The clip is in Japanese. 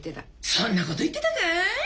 そんなこと言ってたかい？